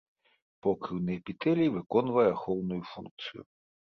Покрыўны эпітэлій выконвае ахоўную функцыю.